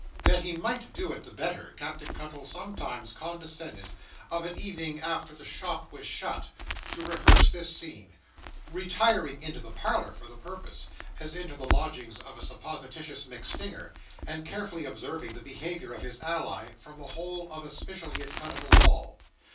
That he might do it the better, Captain Cuttle sometimes condescended, of an evening after the shop was shut, to rehearse this scene: retiring into the parlour for the purpose, as into the lodgings of a supposititious MacStinger, and carefully observing the behaviour of his ally, from the hole of espial he had cut in the wall.